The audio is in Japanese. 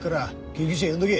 救急車呼んどけ！